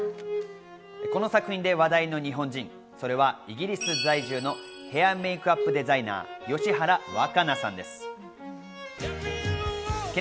この作品で話題の日本人、それはイギリス在住のヘアメイクアップデザイナー・吉原若菜さんです。